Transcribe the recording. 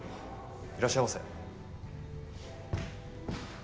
いらっしゃいませ。